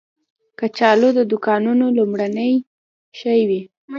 کچالو د دوکانونو لومړنی شی وي